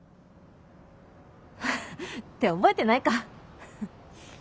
フフって覚えてないか。